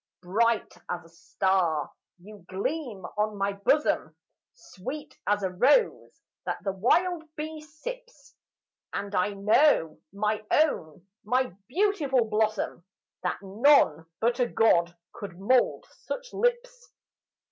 Bright as a star you gleam on my bosom, Sweet as a rose that the wild bee sips; And I know, my own, my beautiful blossom, That none but a God could mould such lips.